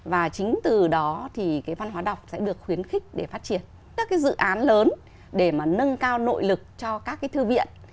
và chính từ đó thì cái văn hóa đọc sẽ được khuyến khích để phát triển các cái dự án lớn để mà nâng cao nội lực cho các cái thư viện